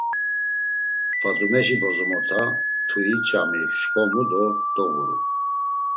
Fadumeşi bozomota mtui-ç̌ami şǩomu do doğuru.